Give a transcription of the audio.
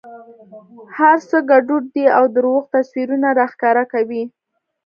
هر څه ګډوډ دي او درواغ تصویرونه را ښکاره کوي.